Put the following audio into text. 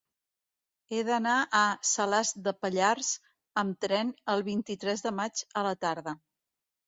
He d'anar a Salàs de Pallars amb tren el vint-i-tres de maig a la tarda.